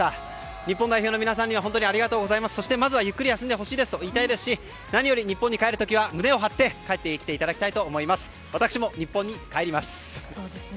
日本代表の皆さんには本当にありがとうございますそしてまずはゆっくり休んでほしいですと言いたいですし何より日本に帰る時は胸を張って帰っていただきたいと思います。